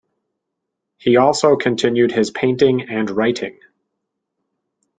He also continued his painting and writing.